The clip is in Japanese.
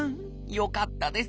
よかったです！